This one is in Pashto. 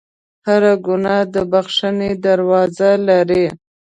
هر ګناه د بخښنې دروازه لري.